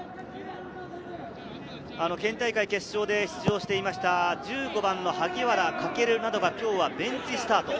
県大会決勝で出場していた１５番の萩原駆などが今日はベンチスタート。